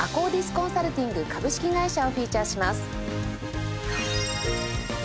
コンサルティング株式会社をフィーチャーします。